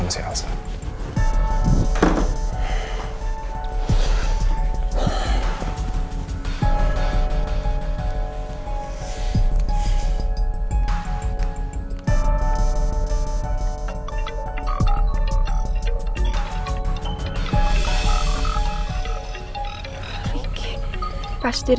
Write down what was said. odang jelas ga prosesnya